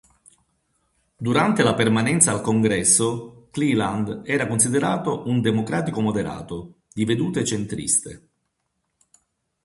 Durante la permanenza al Congresso, Cleland era considerato un democratico moderato, di vedute centriste.